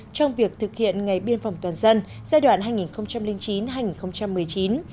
trong việc thực hiện ngày biên phòng toàn dân giai đoạn hai nghìn chín hai nghìn một mươi chín